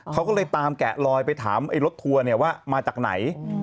เค้าก็เลยตามแก่ลอยไปถามรถทัวร์เนี่ยว่ามาจากไหน